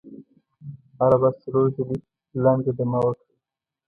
هره ورځ څلور ځلې لنډه دمه وکړئ.